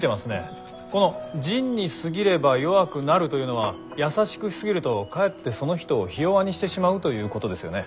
この仁に過ぎれば弱くなるというのは優しくし過ぎるとかえってその人をひ弱にしてしまうということですよね？